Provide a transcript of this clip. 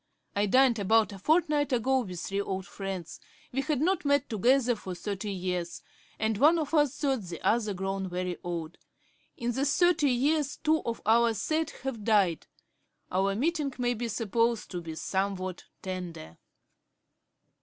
I dined about a fortnight ago with three old friends; we had not met together for thirty years, and one of us thought the other grown very old. In the thirty years two of our set have died; our meeting may be supposed to be somewhat tender.'